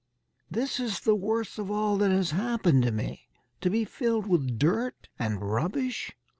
"This is the worst of all that has happened to me, to be filled with dirt and rubbish.